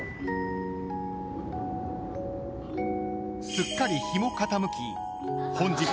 ［すっかり日も傾き］